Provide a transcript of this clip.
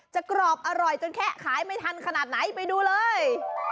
กรอบอร่อยจนแค่ขายไม่ทันขนาดไหนไปดูเลย